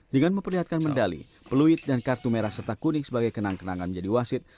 dengan memperlihatkan medali peluit dan kartu merah serta kuning sebagai kenang kenangan menjadi wasit